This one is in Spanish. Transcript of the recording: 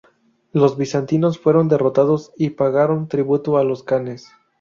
Los bizantinos fueron derrotados y pagaron tributo a los kanes.